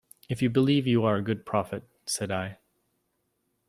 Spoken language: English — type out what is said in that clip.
"If you believe you are a good prophet," said I.